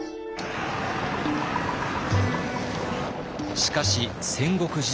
しかし戦国時代。